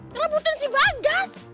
ngelebutin si bagas